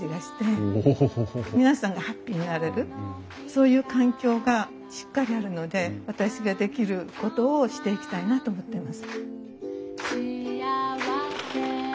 皆さんがハッピーになれるそういう環境がしっかりあるので私ができることをしていきたいなと思ってます。